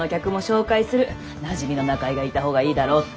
なじみの仲居がいた方がいいだろうって。